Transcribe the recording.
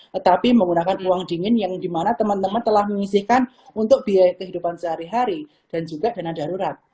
tetapi menggunakan uang dingin yang dimana teman teman telah mengisikan untuk biaya kehidupan sehari hari dan juga dana darurat